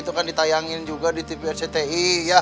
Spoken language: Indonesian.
itu kan ditayangin juga di tv rcti